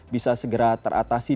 bisa segera teratasi